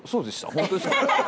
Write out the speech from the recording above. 本当ですか？